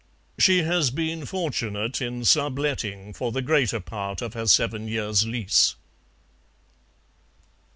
She has been fortunate in sub letting for the greater part of her seven years' lease.